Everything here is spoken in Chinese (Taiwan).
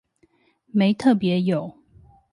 沒特別有